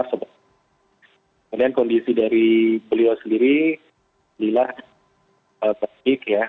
kemudian kondisi dari beliau sendiri bila terpik ya